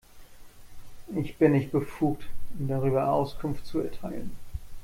Ich bin nicht befugt, Ihnen darüber Auskunft zu erteilen.